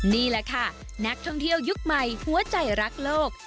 นี่แหละค่ะนักท่องเที่ยวยุคใหม่หัวใจรักโลก